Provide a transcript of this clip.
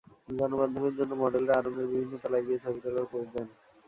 গণমাধ্যমের জন্য মডেলরা আড়ংয়ের বিভিন্ন তলায় গিয়ে ছবি তোলার পোজ দেন।